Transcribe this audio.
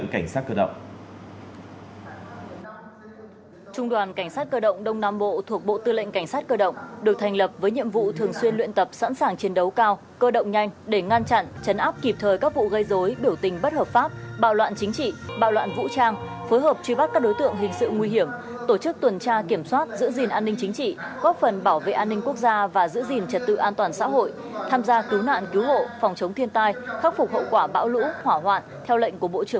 cảnh sát cơ động đông nam bộ thuộc bộ tư lệnh cảnh sát cơ động được thành lập với nhiệm vụ thường xuyên luyện tập sẵn sàng chiến đấu cao cơ động nhanh để ngăn chặn chấn áp kịp thời các vụ gây dối biểu tình bất hợp pháp bạo loạn chính trị bạo loạn vũ trang phối hợp truy bắt các đối tượng hình sự nguy hiểm tổ chức tuần tra kiểm soát giữ gìn an ninh chính trị góp phần bảo vệ an ninh quốc gia và giữ gìn trật tự an toàn xã hội tham gia cứu nạn cứu hộ phòng chống thiên tai khắc phục